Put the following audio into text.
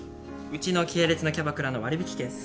うちの系列のキャバクラの割引券っす。